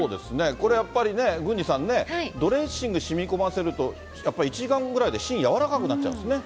これ、やっぱりね、郡司さんね、ドレッシングしみこませると、やっぱり１時間ぐらいで芯、ですね。